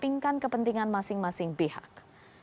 dipingkan kepentingan masing masing pihak